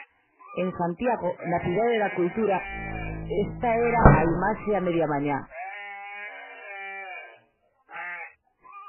En Santiago, na Cidade da Cultura, esta era a imaxe a media mañá.